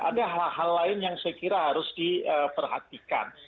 ada hal hal lain yang saya kira harus diperhatikan